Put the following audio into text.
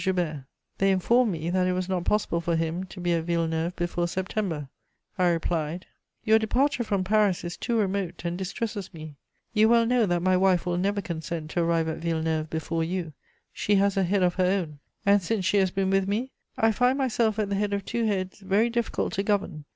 Joubert: they informed me that it was not possible for him to be at Villeneuve before September. I replied: [Sidenote: Lyons and M. Saget.] "Your departure from Paris is too remote and distresses me; you well know that my wife will never consent to arrive at Villeneuve before you: she has a head of her own, and since she has been with me, I find myself at the head of two heads very difficult to govern.